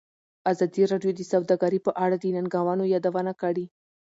ازادي راډیو د سوداګري په اړه د ننګونو یادونه کړې.